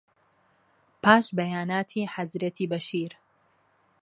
پاش بەیاناتی حەزرەتی بەشیر